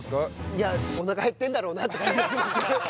いやおなかへってんだろうなって感じがします